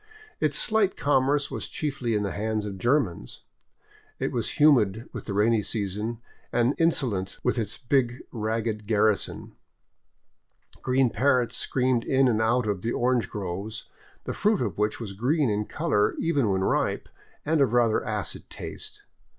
Its slight commerce was chiefly in the hands of Germans. It was humid with the rainy season, and insolent with its big ragged garrison. Green parrots screamed in and out of the orange groves, the fruit of which was green in color even when ripe and of rather acid taste.